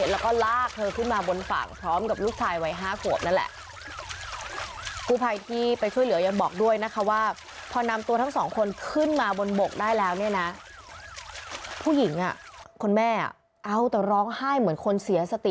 แล้วก็ลากเธอขึ้นมาบนฝั่งพร้อมกับลูกชายวัย๕ขวบนั่นแหละ